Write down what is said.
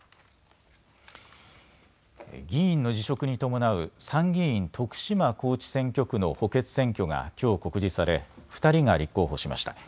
議員の辞職に伴う参議院徳島高知選挙区の補欠選挙がきょう告示され２人が立候補しました。